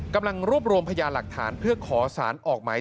กำลังรวบรวมพยานหลักฐานเพื่อขอสารออกหมาย